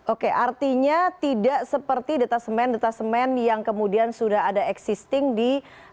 oke artinya tidak seperti detasemen detasemen yang kemudian sudah ada existing di